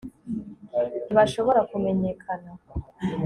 ntibashobora kumenyekana